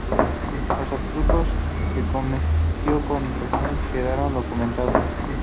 Los abusos que cometió como regente quedaron documentados.